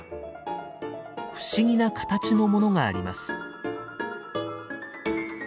不思議な形のものがあります。